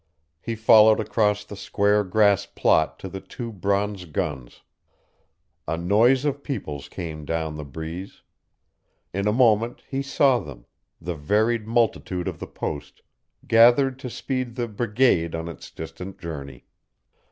He followed across the square grass plot to the two bronze guns. A noise of peoples came down the breeze. In a moment he saw them the varied multitude of the Post gathered to speed the brigade on its distant journey.